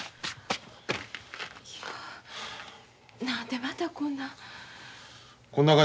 何でまたこんなん。